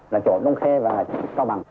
là chỗ đông khê và cao bằng